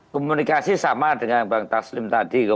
komunikasi sama dengan bang taslim tadi